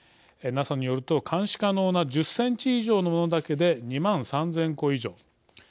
ＮＡＳＡによると監視可能な１０ｃｍ以上のものだけで２万３０００個以上。